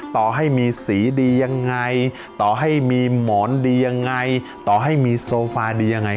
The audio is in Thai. ต่อให้มีสีดียังไงต่อให้มีหมอนดียังไงต่อให้มีโซฟาดียังไง